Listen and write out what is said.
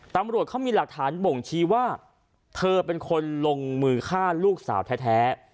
ตำรวจเขามีหลักฐานบ่งชี้ว่าเธอเป็นคนลงมือฆ่าลูกสาวแท้